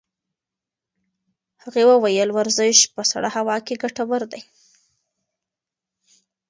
هغې وویل ورزش په سړه هوا کې ګټور دی.